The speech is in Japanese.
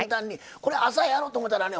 これ朝やろうと思ったらね